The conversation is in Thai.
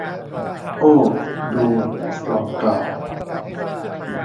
โอ้ ดู หล่อนกล่าว